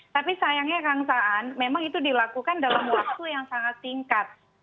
tapi sayangnya kang saan memang itu dilakukan dalam waktu yang sangat singkat